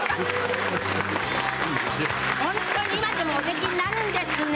本当に今でもお出来になるんですね。